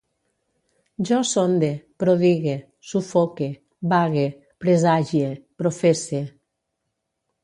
Jo sonde, prodigue, sufoque, vague, presagie, professe